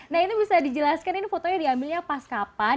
nah ini bisa dijelaskan ini fotonya diambilnya pas kapan